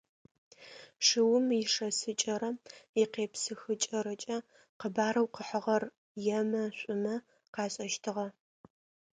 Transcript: Шыум ишэсыкӏэрэ икъепсыхыкӏэрэкӏэ къэбарэу къыхьыгъэр емэ, шӏумэ къашӏэщтыгъэ.